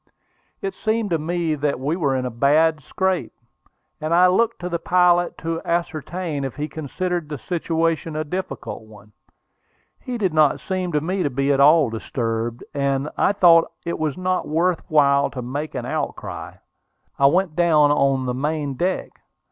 It seemed to me that we were in a bad scrape, and I looked to the pilot to ascertain if he considered the situation a difficult one. He did not seem to me to be at all disturbed, and I thought it was not worth while to make any outcry. I went down on the main deck.